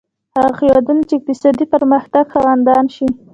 هغه هېوادونه چې اقتصادي پرمختګ خاوندان شي.